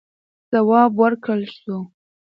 ځواب ورکړل سو.